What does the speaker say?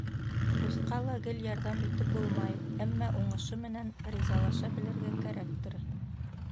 Дуҫҡа ла гел ярҙам итеп булмай, әммә уңышы менән ризалаша белергә кәрәктер.